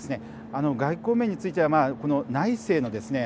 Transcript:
あの外交面については内政のですね